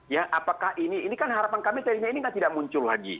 ya apakah ini ini kan harapan kami telinga ini tidak muncul lagi